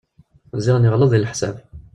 Ziɣen yeɣleḍ deg leḥsab.